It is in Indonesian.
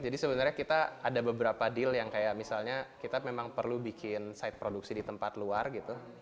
jadi sebenarnya kita ada beberapa deal yang kayak misalnya kita memang perlu bikin site produksi di tempat luar gitu